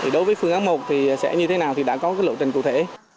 đối với phương án một thì sẽ như thế nào thì đã có lộ trình cụ thể